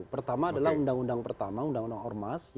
pertama adalah undang undang pertama undang undang ormas